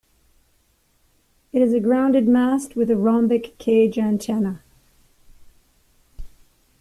It is a grounded mast with a rhombic cage antenna.